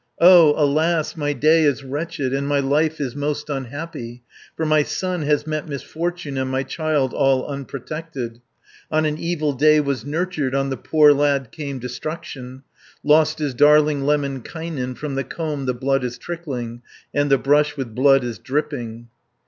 "O alas, my day is wretched, 40 And my life is most unhappy, For my son has met misfortune, And my child all unprotected, On an evil day was nurtured. On the poor lad came destruction, Lost is darling Lemminkainen, From the comb the blood is trickling, And the brush with blood is dripping."